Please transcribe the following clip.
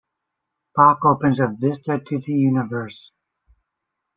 Bach opens a vista to the universe.